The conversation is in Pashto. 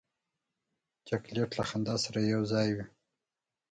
چاکلېټ له خندا سره یو ځای وي.